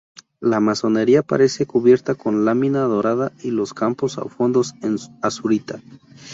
La mazonería aparece cubierta con lámina dorada y los campos o fondos en azurita.